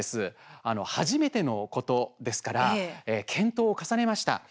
初めてのことですから検討を重ねました。